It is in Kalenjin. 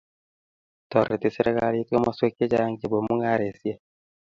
toreti serikalit komoswek chechang' chebo mung'aresiek.